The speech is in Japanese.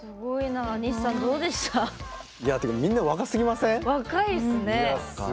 みんな若すぎません？